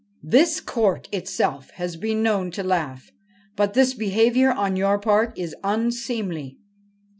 ' This Court itself has been known to laugh, but this behaviour on your part is unseemly.'